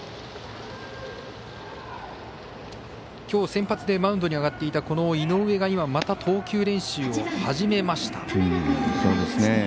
きょう、先発でマウンドに上がっていた井上が今また投球練習を始めました。